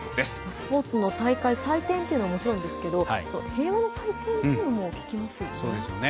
スポーツの大会祭典というのはもちろんですけど平和の祭典というのも聞きますよね。